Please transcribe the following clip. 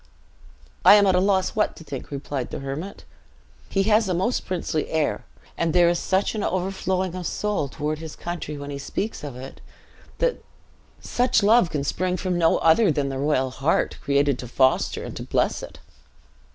"I am at a loss what to think," replied the hermit; "he has a most princely air; and there is such an overflowing of soul toward his country, when he speaks of it, that Such love can spring from no other than the royal heart, created to foster and to bless it."